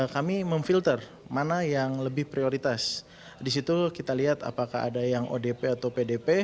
kami memfilter mana yang lebih prioritas disitu kita lihat apakah ada yang odp atau pdp